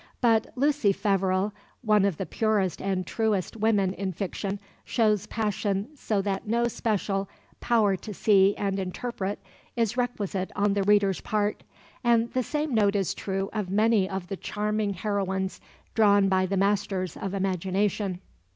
But Lucy Feverel, one of the purest and truest women in fiction, shows passion so that no special "power to see and interpret" is requisite on the reader's part, and the same note is true of many of the charming heroines drawn by the masters of imagination.